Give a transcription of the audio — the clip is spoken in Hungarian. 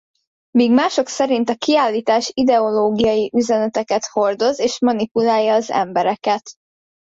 Míg mások szerint a kiállítás ideológiai üzeneteket hordoz és manipulálja az embereket.